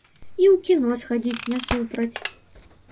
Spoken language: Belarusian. І ў кіно схадзіць не супраць.